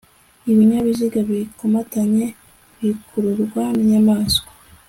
ibinyabiziga bikomatanye bikururwa n inyamaswa